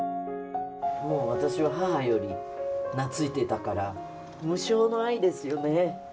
もう私は母より懐いてたから無償の愛ですよね。